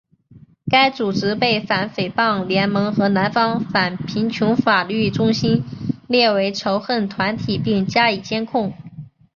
该组织被反诽谤联盟和南方反贫穷法律中心列为仇恨团体并加以监控。